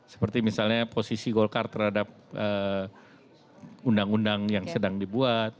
seperti misalnya posisi golkar terhadap undang undang yang sedang dibuat